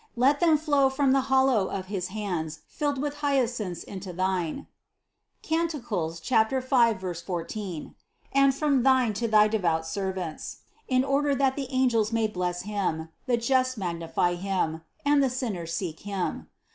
Let them flow from the hollow of his hands filled with hyacinths into thine (Cant. 5, 14), and from INTRODUCTION 15 thine to thy devout servants, in order that the angels may bless Him, the just magnify Him, and the sinners seek Him.